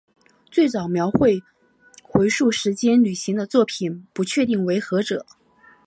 最早描绘回溯时间旅行的作品不确定为何者。